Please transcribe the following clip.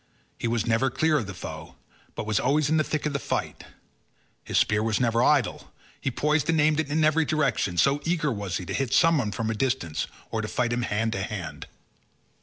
He was never clear of the foe, but was always in the thick of the fight; his spear was never idle; he poised and aimed it in every direction, so eager was he to hit someone from a distance or to fight him hand to hand.